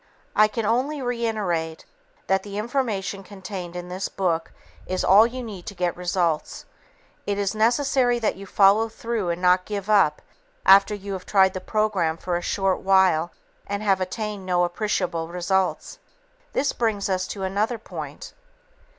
I can only reiterate that the information contained in this book is all you need to get results. It is necessary that you follow through and not give up after you have tried the program for a short while and have obtained no appreciable results. This brings us to another point.